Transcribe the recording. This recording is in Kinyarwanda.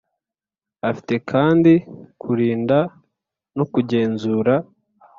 Afite kandi kurinda no kugenzura